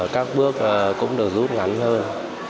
các bước cũng được rút ngắn hơn